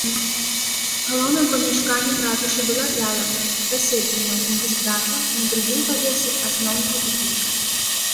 Галоўным памяшканнем ратушы была зала пасяджэнняў магістрата на другім паверсе асноўнага будынка.